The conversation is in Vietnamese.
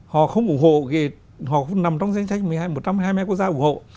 họ không ủng hộ thì họ cũng nằm trong danh sách một trăm hai mươi quốc gia ủng hộ